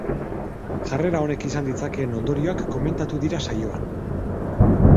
Jarrera honek izan ditzakeen ondorioak koemntatuko dira saioan.